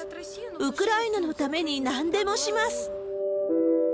ウクライナのためになんでもします。